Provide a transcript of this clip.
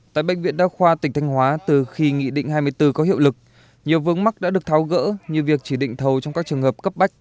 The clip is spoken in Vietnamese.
tại bệnh viện đa khoa tỉnh thanh hóa từ khi nghị định hai mươi bốn có hiệu lực nhiều vướng mắt đã được tháo gỡ như việc chỉ định thầu trong các trường hợp cấp bách